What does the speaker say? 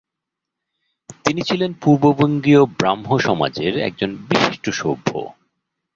তিনি ছিলেন পূর্ববঙ্গীয় ব্রাহ্মসমাজের একজন বিশিষ্ট সভ্য।